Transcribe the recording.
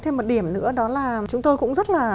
thêm một điểm nữa đó là chúng tôi cũng rất là